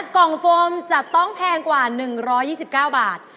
กล่องโฟมจะต้องแพงกว่า๑๒๙บาท